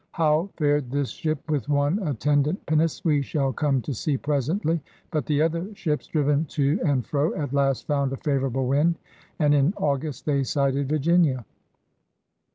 How fared this ship with one attendant pinnace we shall come to see presently. But the other ships, driven to and fro, at last found a favorable wind, and in August they sighted Virginia.